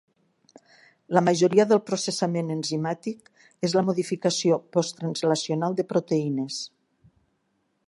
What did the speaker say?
La majoria del processament enzimàtic és la modificació postraslacional de proteïnes.